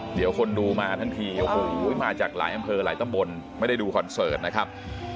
เดี๋ยวคนดูมาทั้งทีโอ้โหมาจากหลายอำเภอหลายตำบลไม่ได้ดูคอนเสิร์ตนะครับ